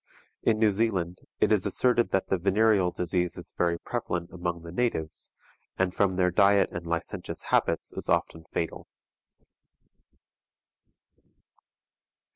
In New Zealand it is asserted that the venereal disease is very prevalent among the natives, and from their diet and licentious habits is often fatal.